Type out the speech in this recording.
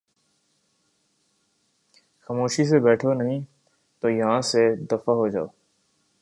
خاموشی سے بیٹھو نہیں تو یہاں سے دفعہ ہو جاؤ